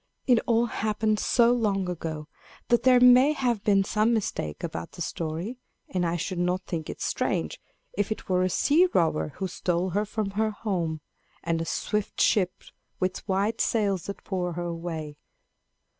It all happened so long ago that there may have been some mistake about the story; and I should not think it strange if it were a sea robber who stole her from her home, and a swift ship with white sails that bore her away.